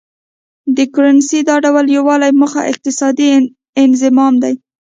د کرنسۍ د دا ډول یو والي موخه اقتصادي انضمام دی.